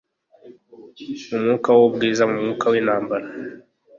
Mu mwuka wubwiza mu mwuka wintambara